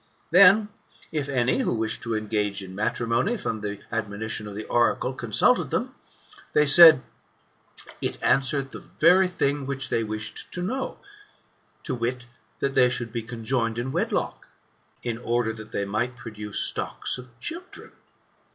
Then if any, who wished to engage in matrimony, from the admonition of the oracle, consulted them, they said. It answered the very thing which they wished to know ; viz, that they should be conjoined in wedlock, in order that they might produce stocks of children.